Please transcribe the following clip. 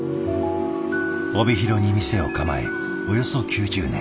帯広に店を構えおよそ９０年。